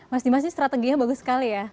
mas dimas ini strateginya bagus sekali ya